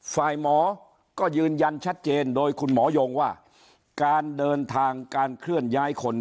ฝ่ายหมอก็ยืนยันชัดเจนโดยคุณหมอยงว่าการเดินทางการเคลื่อนย้ายคน